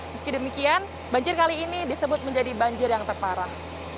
meski demikian banjir kali ini disebut menjadi banjir yang terparah